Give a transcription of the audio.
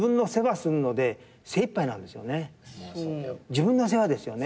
自分の世話ですよね。